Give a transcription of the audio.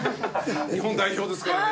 日本代表ですからね。